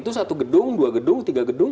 itu satu gedung dua gedung tiga gedung